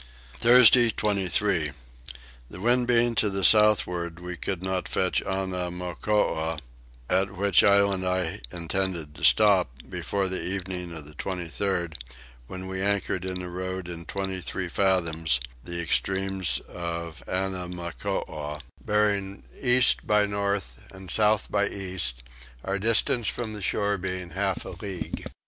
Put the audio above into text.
Thursday 23. The wind being to the southward we could not fetch Annamooka, at which island I intended to stop, before the evening of the 23rd, when we anchored in the road in twenty three fathoms, the extremes of Annamooka bearing east by north and south by east, our distance from the shore being half a league.